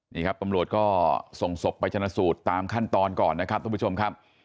นี่ครับตำรวจก็ส่งศพไปชนะสูตรตามขั้นตอนก่อนนะครับทุกผู้ชมครับ